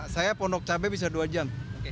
saya pondok cabai bisa dua jam